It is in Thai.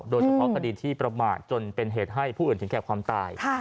โดยเฉพาะคดีที่ประมาทจนเป็นเหตุให้ผู้อื่นถึงแก่ความตาย